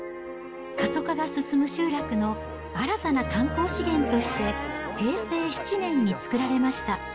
過疎化が進む集落の新たな観光資源として、平成７年に造られました。